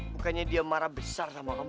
bukannya dia marah besar sama kamu